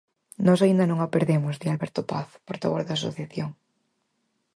Nós aínda non a perdemos, di Alberto Paz, portavoz da asociación.